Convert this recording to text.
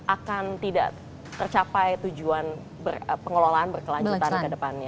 akan tidak tercapai tujuan pengelolaan berkelanjutan ke depannya